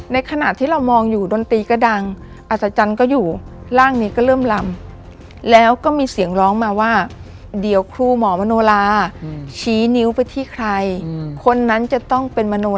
ขณะที่เรามองอยู่ดนตรีก็ดังอัศจรรย์ก็อยู่ร่างนี้ก็เริ่มลำแล้วก็มีเสียงร้องมาว่าเดี๋ยวครูหมอมโนลาชี้นิ้วไปที่ใครคนนั้นจะต้องเป็นมโน